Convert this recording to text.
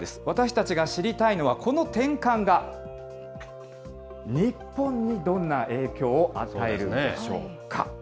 私たちが知りたいのは、この転換が、日本にどんな影響を与えるんでしょうか。